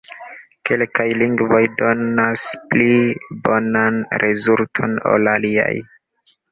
Kelkaj lingvoj donas pli bonan rezulton ol aliaj.